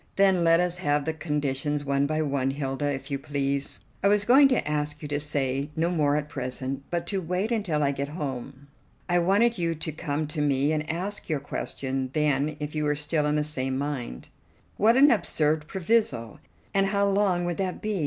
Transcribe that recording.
"Then let us have the conditions one by one, Hilda, if you please." "I was going to ask you to say no more at present, but to wait until I get home. I wanted you to come to me, and ask your question then if you were still in the same mind." "What an absurd proviso! And how long would that be?